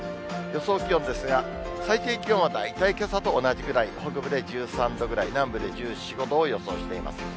予想気温ですが、最低気温は大体けさと同じぐらい、北部で１３度ぐらい、南部で１４、５度を予想しています。